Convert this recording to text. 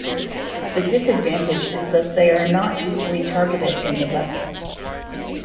The disadvantage is that they are not easily targeted in the vessel.